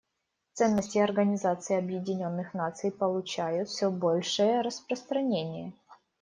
Ценности Организации Объединенных Наций получают все большее распространение.